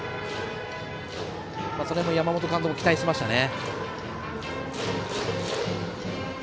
その辺も、山本監督期待していましたね。